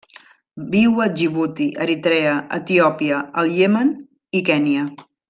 Viu a Djibouti, Eritrea, Etiòpia, el Iemen i Kenya.